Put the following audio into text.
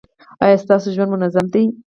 ایا ستاسو ژوند منظم دی؟